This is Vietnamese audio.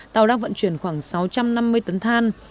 tàu đang vận chuyển khoảng sáu trăm năm mươi tấn than